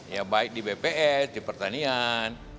ya baik di bps di pertanian